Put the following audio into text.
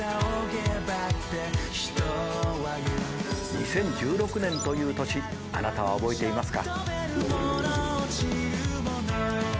２０１６年という年あなたは覚えていますか。